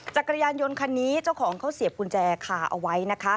จักรยานยนต์คันนี้เจ้าของเขาเสียบกุญแจคาเอาไว้นะคะ